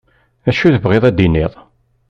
D acu i tebɣiḍ ad d-iniḍ.